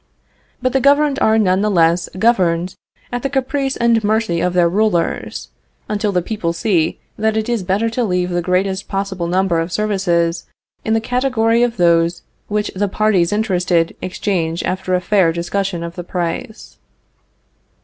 But the governed are none the less governed at the caprice and mercy of their rulers, until the people see that it is better to leave the greatest possible number of services in the category of those which the parties interested exchange after a fair discussion of the price.